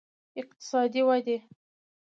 اقتصادي ودې